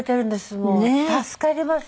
もう助かります。